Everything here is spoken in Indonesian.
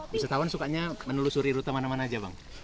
pusatawan sukanya menelusuri rute mana mana saja bang